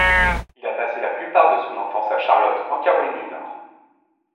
Il a passé la plupart de son enfance à Charlotte en Caroline du Nord.